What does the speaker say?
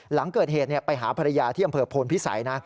หลังเกิดเหตุไปหาภรรยาที่อำเภอโพนพิสัยนะ